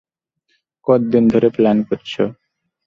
কদ্দিন ধরে প্লান করছো?